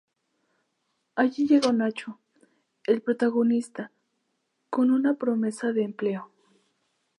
Allí llega Nacho, el protagonista, con una promesa de empleo.